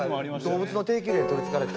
動物の低級霊に取りつかれて。